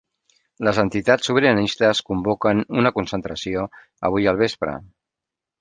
Les entitats sobiranistes convoquen una concentració avui al vespre